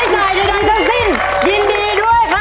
ถูก